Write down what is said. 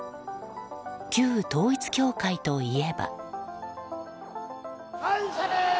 旧統一教会といえば。